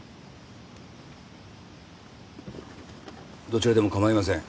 どちらでも構いません。